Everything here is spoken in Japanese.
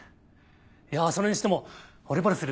いやそれにしてもほれぼれする腕前だ。